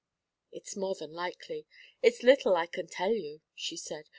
'It's more than likely. It's little I can tell you,' she said.